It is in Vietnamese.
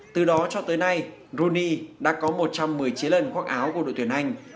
từ đó cho tới nay bruni đã có một trăm một mươi chín lần khoác áo của đội tuyển anh